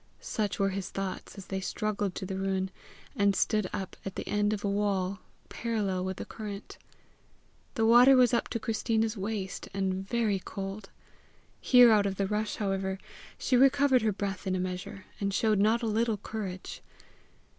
Such were his thoughts as they struggled to the ruin, and stood up at the end of a wall parallel with the current. The water was up to Christina's waist, and very cold. Here out of the rush, however, she recovered her breath in a measure, and showed not a little courage.